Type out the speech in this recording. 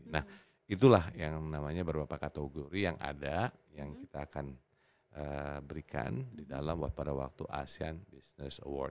nah itulah yang namanya beberapa kategori yang ada yang kita akan berikan di dalam pada waktu asean business award